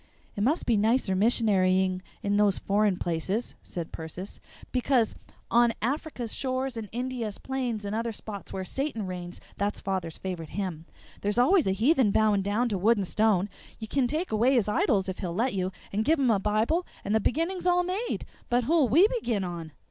"It must be nicer missionarying in those foreign places," said Persis, "because on 'Afric's shores and India's plains and other spots where Satan reigns' (that's father's favorite hymn) there's always a heathen bowing down to wood and stone. You can take away his idols if he'll let you and give him a bible and the beginning's all made. But who'll we begin on?